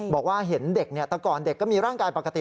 บอกว่าเห็นเด็กแต่ก่อนเด็กก็มีร่างกายปกติ